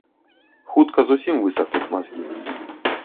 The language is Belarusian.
Хутка зусім высахнуць мазгі.